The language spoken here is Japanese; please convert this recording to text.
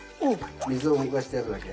水を動かしてやるだけ。